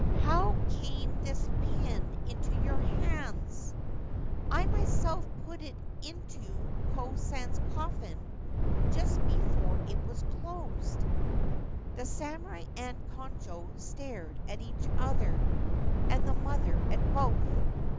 * How came this pin into your hands ? I myself put it into Ko San's coffin just before it was closed/ The samurai and Konojo stared at each other, and the mother at both.